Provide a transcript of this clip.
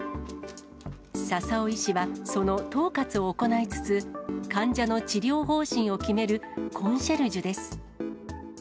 笹尾医師はその統括を行いつつ、患者の治療方針を決めるコンシェルジュです。